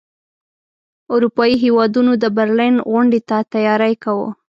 اروپايي هیوادونو د برلین غونډې ته تیاری کاوه.